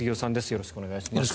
よろしくお願いします。